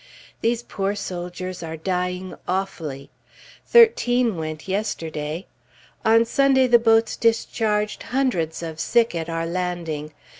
These poor soldiers are dying awfully. Thirteen went yesterday. On Sunday the boats discharged hundreds of sick at our landing.